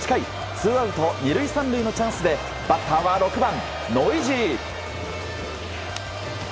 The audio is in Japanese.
ツーアウト２塁３塁のチャンスでバッターは６番、ノイジー。